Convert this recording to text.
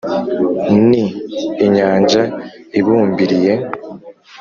ni inyanja ibumbiriye,